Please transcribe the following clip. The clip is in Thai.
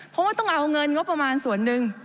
เพราะว่าต้องเอาเงินงบประมาณส่วนหนึ่ง